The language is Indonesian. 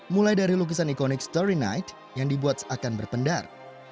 mulai dari lukisan ikonik story night yang dibuat seakan berpendar